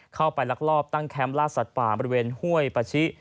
ลักลอบตั้งแคมป์ล่าสัตว์ป่าบริเวณห้วยปาชิ